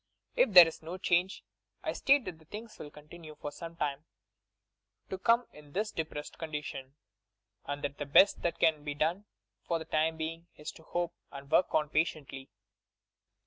If there is no change, I state that things will continue for some time to come in this depressed condition, and that the best that can be done for the time being, is to hope and work on patiently.